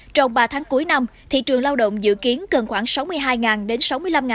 trong ba tháng cuối năm thị trường lao động dự kiến cần khoảng sáu mươi hai đồng